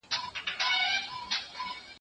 پیدا کړي خدای له اصله ظالمان یو